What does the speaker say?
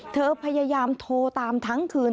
เธอพยายามโทรตามทั้งคืน